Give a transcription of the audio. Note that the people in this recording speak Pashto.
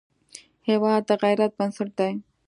هېواد د غیرت بنسټ دی.